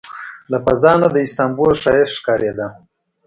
له فضا نه د استانبول ښایست ښکارېده.